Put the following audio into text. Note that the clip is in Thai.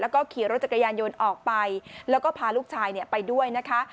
แล้วก็ขี่รถจักรยานยนต์ออกไปแล้วก็พาลูกชายไปด้วยนะคะ